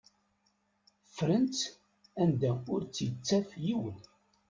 Fren-tt anda ur tt-ittaf yiwen.